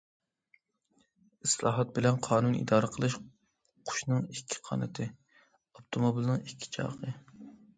ئىسلاھات بىلەن قانۇن ئىدارە قىلىش قۇشنىڭ ئىككى قانىتى، ئاپتوموبىلنىڭ ئىككى چاقى.